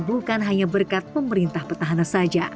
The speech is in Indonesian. bukan hanya berkat pemerintah petahana saja